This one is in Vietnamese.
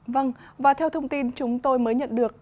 vâng và theo thông tin chúng tôi mới nhận được